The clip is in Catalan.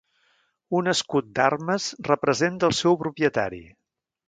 Un escut d'armes representa el seu propietari.